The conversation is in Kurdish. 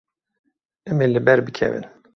Em ê li ber bikevin.